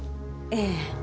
ええ。